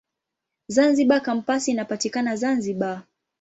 Zanzibar Kampasi inapatikana Zanzibar.